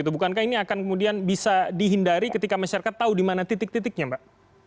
bukankah ini akan kemudian bisa dihindari ketika masyarakat tahu di mana titik titiknya mbak